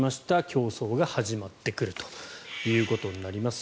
競争が始まってくるということになります。